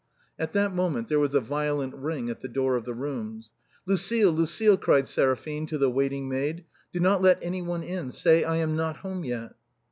At that moment there was a violent ring at the door of the rooms, " Lucile, Lucile," cried Seraphine to the waiting maid, " do not let anyone in, say I am not home yet."